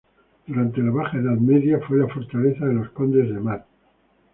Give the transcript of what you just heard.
Durante la Baja Edad Media fue la fortaleza de los condes de Mar.